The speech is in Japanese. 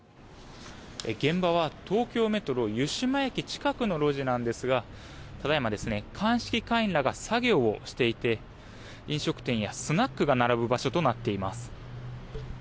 現場は東京メトロ湯島駅近くの路地なんですがただ今、鑑識官らが作業をしていて飲食店やスナックが並ぶ場所となっています。